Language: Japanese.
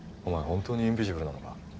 本当にインビジブルなのか？